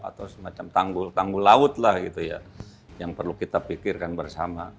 atau semacam tanggul tanggul laut lah gitu ya yang perlu kita pikirkan bersama